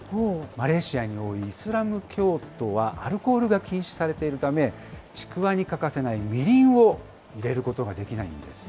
マレーシアに多いイスラム教徒はアルコールが禁止されているため、ちくわに欠かせないみりんを入れることができないんです。